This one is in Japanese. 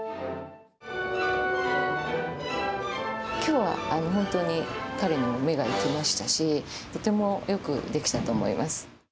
きょうは本当に彼に目がいきましたし、とてもよくできたと思います。